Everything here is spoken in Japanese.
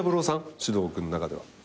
獅童君の中では。